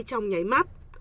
trong nháy mắt